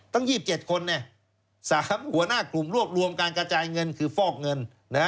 ทั้ง๒๗คน๓หัวหน้ากลุ่มรวบรวมการกระจายเงินคือฟอกเงิน